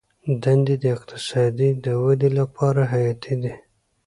دندې د اقتصاد د ودې لپاره حیاتي دي.